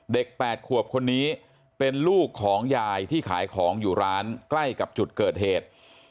๘ขวบคนนี้เป็นลูกของยายที่ขายของอยู่ร้านใกล้กับจุดเกิดเหตุ